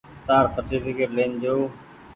تآر سرٽيڦڪيٽ لين جو۔